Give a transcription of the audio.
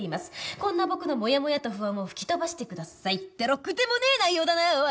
「こんな僕のモヤモヤと不安を吹き飛ばしてください」ってろくでもねえ内容だなおい！